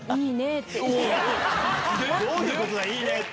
どういうことだ、いいねって。